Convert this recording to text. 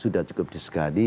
sudah cukup disegadi